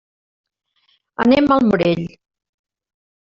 Anem al Morell.